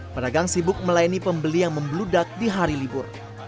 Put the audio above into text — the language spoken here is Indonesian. pedagang sibuk melayani pembeli yang membludak di hari libur